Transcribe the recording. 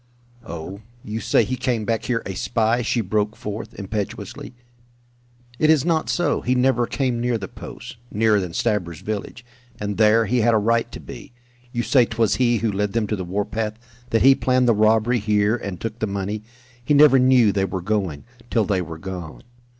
"Oh, you say he came back here a spy!" she broke forth, impetuously. "It is not so! He never came near the post, nearer than Stabber's village, and there he had a right to be. You say 'twas he who led them to the warpath, that he planned the robbery here and took the money. He never knew they were going, till they were gone.